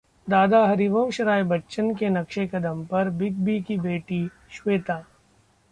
दादा हरिवंश राय बच्चन के नक्शे कदम पर बिग की बेटी श्वेता